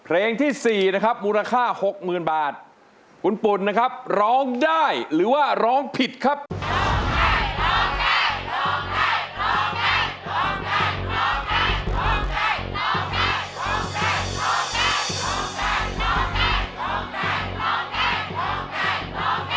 โรงแกรมโรงแกรมโรงแกรมโรงแกรมโรงแกรมโรงแกรม